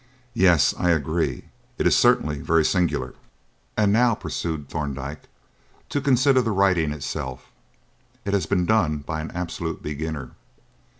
"Yes," I agreed; "it is certainly very singular." "And now," pursued Thorndyke, "to consider the writing itself. It has been done by an absolute beginner.